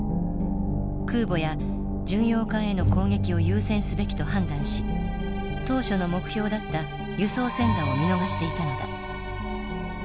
空母や巡洋艦への攻撃を優先すべきと判断し当初の目標だった輸送船団を見逃していたのだ。